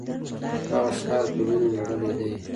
دغه ښار په وینو لړلی دی.